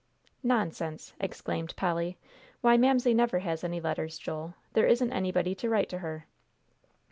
"Nonsense!" exclaimed Polly; "why, Mamsie never has any letters, Joel. There isn't anybody to write to her."